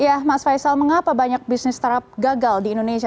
iya mas faisal mengapa banyak bisnis startup gagal di indonesia